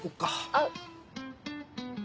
あっ。